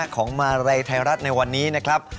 ของมาลัยไทยรัฐในวันนี้นะครับ